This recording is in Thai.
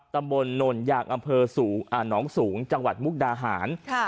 ตำบลนนยางอำเภอหนองสูงจังหวัดมุกดาหาร